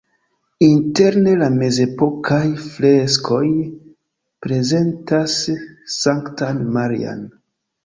Interne la mezepokaj freskoj prezentas Sanktan Marian.